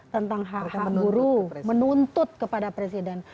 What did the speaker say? tentang hak hak guru menuntut kepada presiden